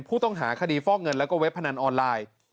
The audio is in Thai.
ผู้ต้องหาคดีฟอกเงินแล้วก็เว็บพนันออนไลน์